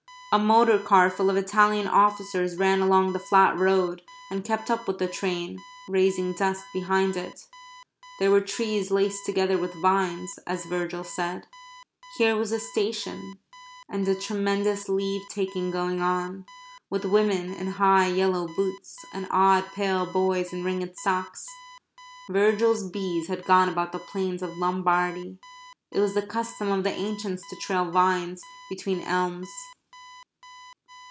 A motor car full of Italian officers ran along the flat road and kept up with the train, raising dust behind it. There were trees laced together with vines as Virgil said. Here was a station; and a tremendous leave taking going on, with women in high yellow boots and odd pale boys in ringed socks. Virgil's bees had gone about the plains of Lombardy. It was the custom of the ancients to train vines between elms.